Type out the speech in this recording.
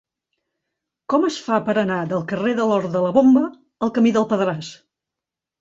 Com es fa per anar del carrer de l'Hort de la Bomba al camí del Pebràs?